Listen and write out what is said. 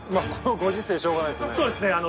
このご時世しょうがないですね。